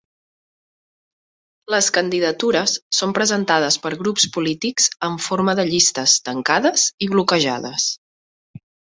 Les candidatures són presentades per grups polítics en forma de llistes tancades i bloquejades.